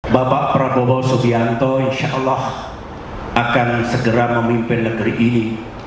bapak prabowo subianto insya allah akan segera memimpin negeri ini